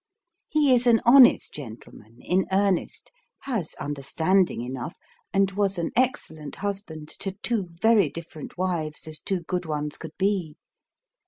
He is an honest gentleman, in earnest, has understanding enough, and was an excellent husband to two very different wives, as two good ones could be.